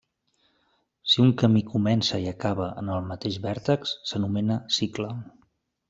Si un camí comença i acaba en el mateix vèrtex s'anomena cicle.